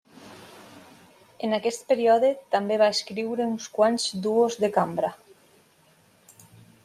En aquest període també va escriure uns quants duos de cambra.